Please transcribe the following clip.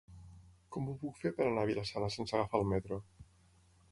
Com ho puc fer per anar a Vila-sana sense agafar el metro?